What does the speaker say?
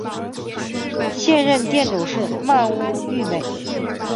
现任店主是鳗屋育美。